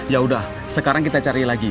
yaudah sekarang kita cari lagi